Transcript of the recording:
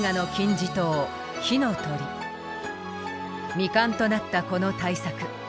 未完となったこの大作。